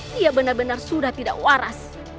dia benar benar sudah tidak waras